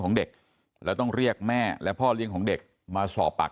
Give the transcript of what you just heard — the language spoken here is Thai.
ของเด็กแล้วต้องเรียกแม่และพ่อเลี้ยงของเด็กมาสอบปาก